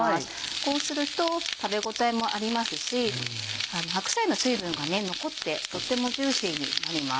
こうすると食べ応えもありますし白菜の水分が残ってとてもジューシーになります。